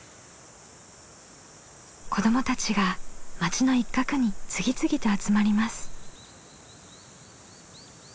子どもたちが町の一角に次々と集まります。